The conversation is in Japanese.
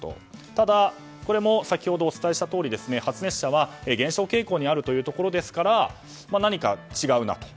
ただ、これも先ほどお伝えしたとおり、発熱者は減少傾向にあるということですから何か違うなと。